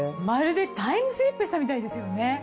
まるでタイムスリップしたみたいですよね。